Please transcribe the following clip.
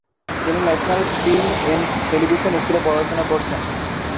তিনি national film and television স্কুলে পড়াশোনা করেছেন।